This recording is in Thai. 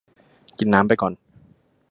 กินน้ำไปก่อน